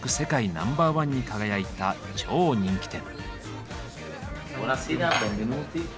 ナンバーワンに輝いた超人気店。